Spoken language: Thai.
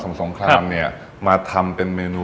สปาเกตตี้ปลาทู